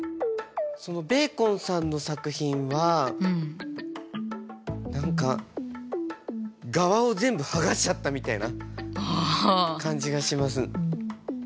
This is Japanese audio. ベーコンさんの作品は何かがわを全部剥がしちゃったみたいな感じがします。